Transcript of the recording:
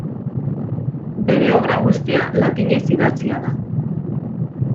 Bere obra guztia latinez idatzia da.